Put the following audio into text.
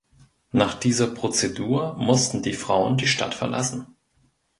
Nach dieser Prozedur mussten die Frauen die Stadt verlassen.